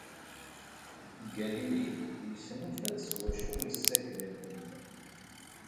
Galili isnulfa-d s wacu issaked ayyur.